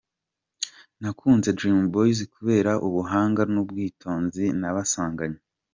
Nakunze Dream Boyz kubera ubuhanga n’ubwitonzi nabasanganye.